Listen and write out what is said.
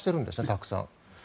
たくさん。